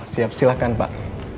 siap silahkan pak